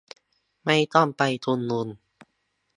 ไม่ต้องไปชุมนุม